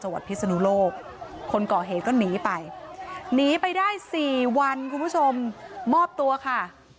วัดพิศนุโลกคนก่อเหตุก็หนีไปหนีไปได้สี่วันคุณผู้ชมมอบตัวค่ะ